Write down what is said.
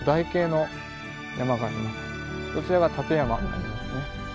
そちらが立山になりますね。